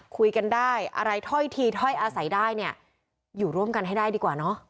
คุยกันได้อะไรถ้อยทีถ้อยอาศัยได้เนี่ยอยู่ร่วมกันให้ได้ดีกว่าเนอะ